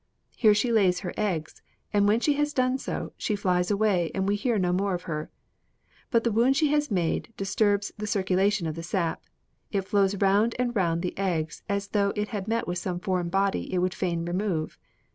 Here she lays her eggs; and when she has done so, she flies away and we hear no more of her. But the wound she has made disturbs the circulation of the sap. It flows round and round the eggs as though it had met with some foreign body it would fain remove.